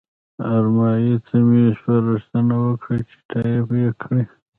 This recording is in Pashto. ارمایي ته مې سپارښتنه وکړه چې ټایپ یې کړي.